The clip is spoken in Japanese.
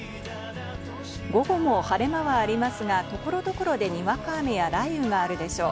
午後も晴れ間はありますが所々でにわか雨や雷雨があるでしょう。